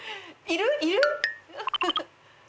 いる？